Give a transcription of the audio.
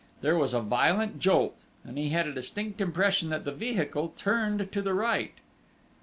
There was a violent jolt, and he had a distinct impression that the vehicle turned to the right.